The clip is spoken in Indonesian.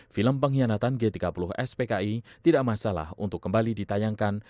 film pengkhianatan g tiga puluh spki tidak masalah untuk kembali ditayangkan